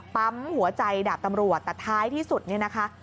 ปั๊มหัวใจดาบตำรวจแต่ท้ายที่สุดเนี่ยนะคะ